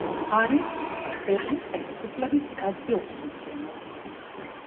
არის ქვეყნის ხელისუფლების მკაცრი ოპოზიციონერი.